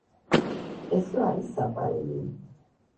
კესო არის საყვარელი!